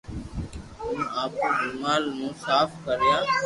ھون آپري رومال مون صاف ڪريا